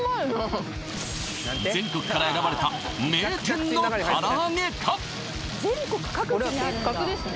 全国から選ばれた名店のからあげか？